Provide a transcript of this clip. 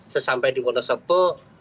sesampai di wonosobo